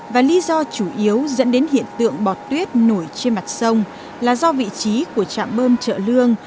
và lý do chủ yếu dẫn đến hiện tượng bọt tuyết nổi trên mặt sông là do vị trí của trạm bơm chợ lương